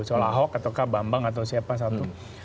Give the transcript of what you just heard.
soal ahok atau kabambang atau siapa satu